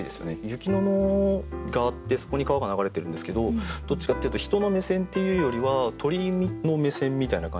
雪の野があってそこに川が流れてるんですけどどっちかっていうと人の目線っていうよりは鳥の目線みたいな感じで。